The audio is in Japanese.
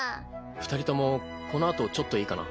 二人ともこのあとちょっといいかな？